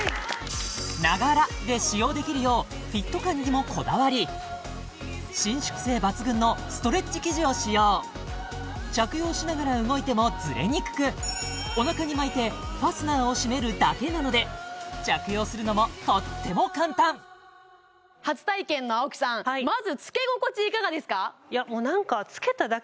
ながらで使用できるよう伸縮性抜群のストレッチ生地を使用着用しながら動いてもずれにくくお腹に巻いてファスナーを閉めるだけなので着用するのもとっても簡単初体験の青木さんまず着け心地いかがですか？